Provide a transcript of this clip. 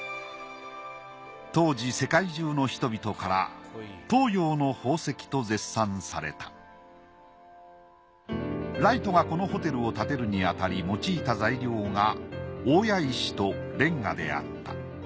当時世界中の人々から東洋の宝石と絶賛されたライトがこのホテルを建てるにあたり用いた材料が大谷石とレンガであった。